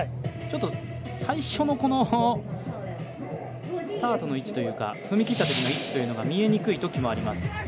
ちょっと最初のスタートの位置というか踏み切ったときの位置というのが見えにくいときもあります。